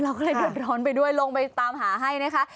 ก็เลยเดือดร้อนไปด้วยลงไปตามหาให้นะคะ